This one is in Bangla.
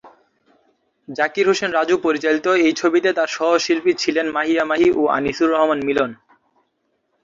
জাকির হোসেন রাজু পরিচালিত এই ছবিতে তার সহশিল্পী ছিলেন মাহিয়া মাহি ও আনিসুর রহমান মিলন।